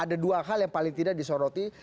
ada dua hal yang paling tidak disoroti